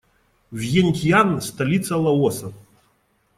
Вьентьян - столица Лаоса.